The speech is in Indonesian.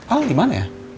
al dimana ya